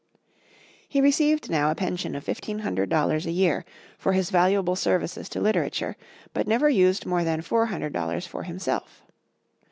He received now a pension of fifteen hundred dollars a year, for his valuable services to literature, but never used more than four hundred dollars for himself.